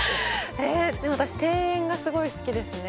えでも私庭園がすごい好きですね